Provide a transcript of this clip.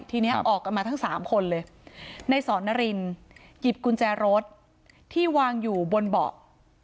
ทีนี้ออกกันมาทั้งสามคนเลยในสอนนารินหยิบกุญแจรถที่วางอยู่บนเบาะ